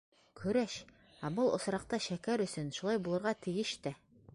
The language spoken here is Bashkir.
Көрәш, ә был осраҡта шәкәр өсөн, шулай булырға тейеш тә.